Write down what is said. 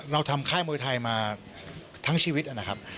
เราทำค่ายมวยไทยมาทั้งชีวิตนะครับ